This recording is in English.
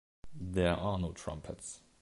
There are no trumpets.